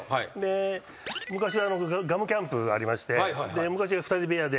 昔グアムキャンプありまして昔２人部屋で。